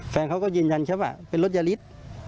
แฟนเขาก็เย็นครับว่าเป็นรถยาลิสต์